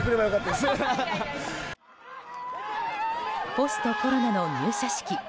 ポストコロナの入社式。